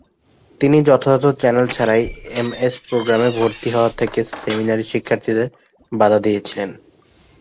তিনি যথাযথ চ্যানেল ছাড়াই এমএস প্রোগ্রামে ভর্তি হওয়া থেকে সেমিনারি শিক্ষার্থীদের বাধা দিয়েছিলেন।